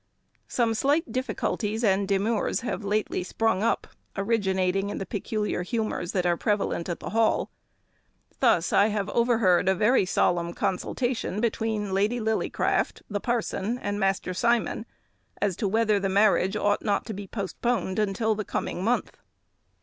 Some slight difficulties and demurs have lately sprung up, originating in the peculiar humours that are prevalent at the Hall. Thus, I have overheard a very solemn consultation between Lady Lillycraft, the parson, and Master Simon, as to whether the marriage ought not to be postponed until the coming month.